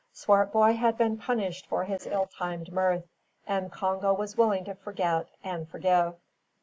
Swartboy had been punished for his ill timed mirth, and Congo was willing to forget and forgive.